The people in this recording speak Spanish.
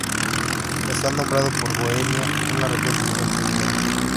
Está nombrado por Bohemia, una región del centro de Europa.